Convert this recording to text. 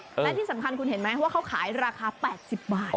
และที่สำคัญคุณเห็นไหมว่าเขาขายราคา๘๐บาท